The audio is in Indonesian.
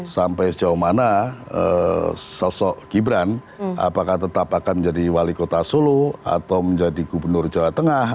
sampai sejauh mana sosok gibran apakah tetap akan menjadi wali kota solo atau menjadi gubernur jawa tengah